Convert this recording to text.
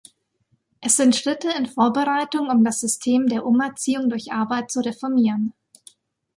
Es sind Schritte in Vorbereitung, um das System der "Umerziehung durch Arbeit" zu reformieren.